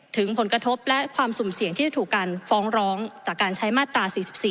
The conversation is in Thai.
ถึงผลกระทบและความสุ่มเสี่ยงที่จะถูกการฟ้องร้องจากการใช้มาตรา๔๔